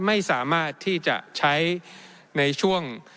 ไม่สามารถที่จะใช้ในช่วง